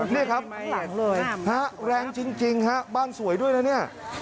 นี่ครับแรงจริงฮะบ้านสวยด้วยนะเนี่ย